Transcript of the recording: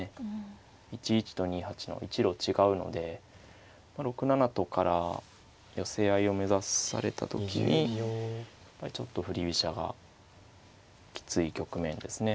１一と２八の一路違うので６七とから寄せ合いを目指された時にやっぱりちょっと振り飛車がきつい局面ですね。